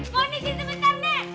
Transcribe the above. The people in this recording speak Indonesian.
fondisi sebentar nek